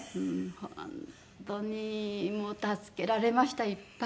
本当にもう助けられましたいっぱい。